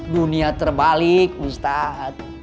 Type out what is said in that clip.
dunia terbalik ustadz